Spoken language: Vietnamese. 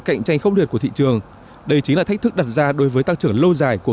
cạnh tranh khốc liệt của thị trường đây chính là thách thức đặt ra đối với tăng trưởng lâu dài của